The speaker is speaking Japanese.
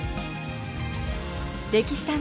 「歴史探偵」